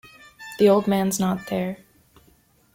The old man's not there.